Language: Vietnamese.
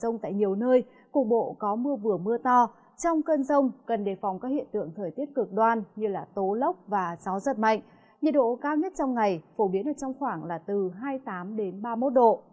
nhiệt độ cao nhất trong ngày phổ biến ở trong khoảng là từ hai mươi tám ba mươi một độ